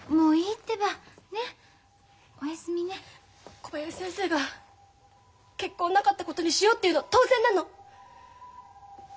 小林先生が結婚なかったことにしようって言うの当然なの。